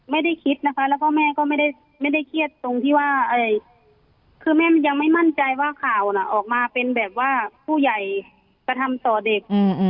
ไม่ได้คิดนะคะแล้วก็แม่ก็ไม่ได้เครียดตรงที่ว่าอะไรคือแม่ยังไม่มั่นใจว่าข่าวน่ะออกมาเป็นแบบว่าผู้ใหญ่กระทำต่อเด็ก